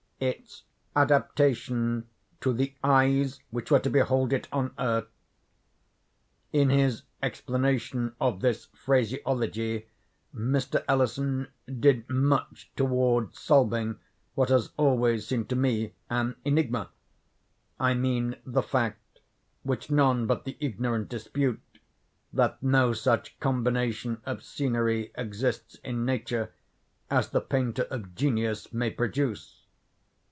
"Its adaptation to the eyes which were to behold it on earth." In his explanation of this phraseology, Mr. Ellison did much toward solving what has always seemed to me an enigma:—I mean the fact (which none but the ignorant dispute) that no such combination of scenery exists in nature as the painter of genius may produce.